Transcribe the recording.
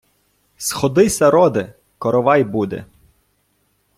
Сходися, роде, коровай буде!